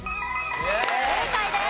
正解です。